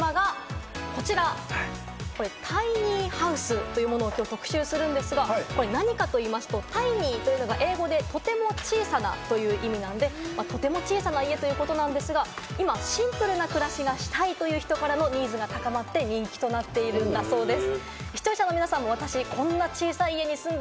今日のテーマがこちら、「タイニーハウス」というものを今日特集するんですが、何かと言いますと、「タイニー」というのは英語で「とても小さな」という意味なんで、とても小さな家ということなんですが、今、シンプルな暮らしがしたいという人からのニーズが高まって、人気となっているんだそうです。